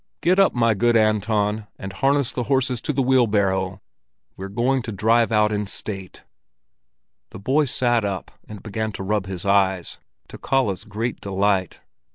"Get up, my good Anton, and harness the horses to the wheelbarrow! We're going to drive out in state." The boy sat up and began to rub his eyes, to Kalle's great delight.